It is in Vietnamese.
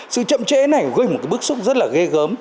sự chậm trễ này gây một cái bức xúc rất là ghê gớm